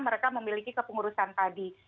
mereka memiliki kepengurusan tadi